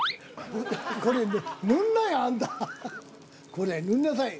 これ塗んなさい。